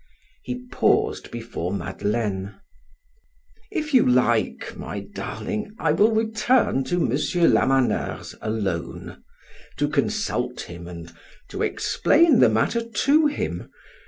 He paused before Madeleine. "If you like, my darling, I will return to M. Lamaneur's alone, to consult him and to explain the matter to him.